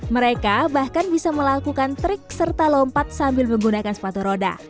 mereka bahkan bisa melakukan trik serta lompat sambil menggunakan sepatu roda